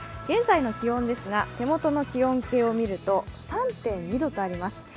現在の気温ですが、手元の気温計を見ると３．２度とあります。